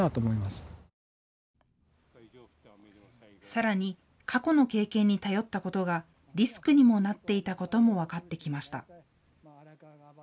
さらに過去の経験に頼ったことがリスクにもなっていたことも分かってきました。